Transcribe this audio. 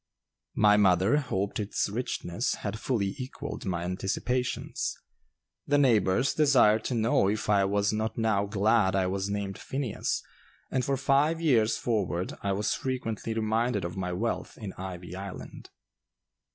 My mother hoped its richness had fully equalled my anticipations. The neighbors desired to know if I was not now glad I was named Phineas, and for five years forward I was frequently reminded of my wealth in "Ivy Island."